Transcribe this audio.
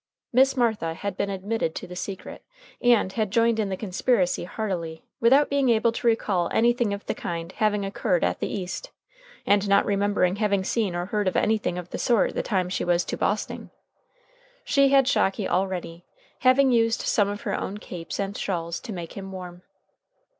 Miss Martha had been admitted to the secret, and had joined in the conspiracy heartily, without being able to recall anything of the kind having occurred at the East, and not remembering having seen or heard of anything of the sort the time she was to Bosting. She had Shocky all ready, having used some of her own capes and shawls to make him warm.